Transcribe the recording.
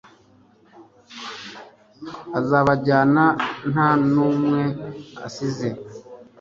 azabajyana nta n'umwe asize